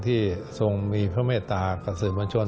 ทรงมีพระเมตตากับสื่อมวลชน